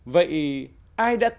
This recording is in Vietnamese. vậy ai sẽ đưa ra một bản đồn điền hầm mỏ